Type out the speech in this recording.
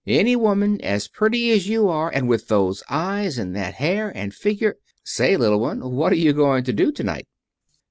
"Any woman as pretty as you are, and with those eyes, and that hair, and figure Say, Little One, what are you going to do to night?"